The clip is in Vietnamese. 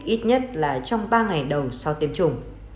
ít nhất là trong ba ngày đầu sau tiêm chủng